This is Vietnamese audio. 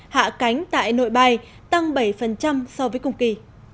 hạ cánh tại nội bài tăng bảy so với cùng kỳ